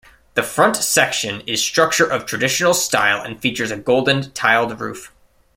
The front section is structure of traditional style and features a golden tiled roof.